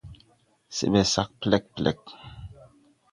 Se ɓɛ sag plɛɗplɛɗ.